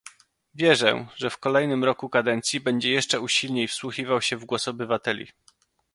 Wierzę, że w kolejnym roku kadencji będzie jeszcze usilniej wsłuchiwał się w głos obywateli